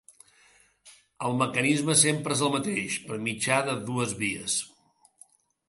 El mecanisme sempre és el mateix, per mitjà de dues vies.